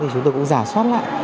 chúng tôi cũng giả soát lại